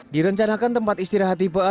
direncanakan tempat istirahat tipe a